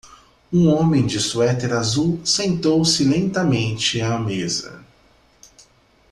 Um homem de suéter azul sentou-se lentamente à mesa.